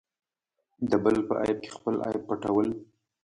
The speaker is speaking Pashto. د بل په عیب کې خپل عیب پټول.